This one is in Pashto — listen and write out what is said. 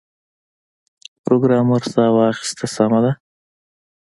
پروګرامر ساه واخیسته سمه ده